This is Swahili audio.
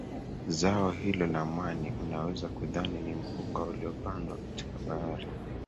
Zao hilo la mwani unaweza kudhani ni mpunga uliopandwa katika bahari